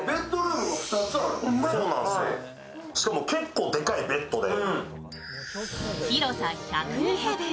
しかも結構でかいベッドで。